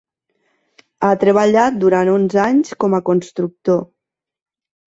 Ha treballat durant onze anys com a consultor.